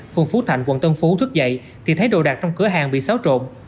phường phú thạnh quận tân phú thức dậy thì thấy đồ đạc trong cửa hàng bị xáo trộn